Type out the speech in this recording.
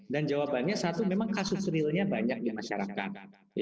dan jawabannya satu memang kasus realnya banyak di masyarakat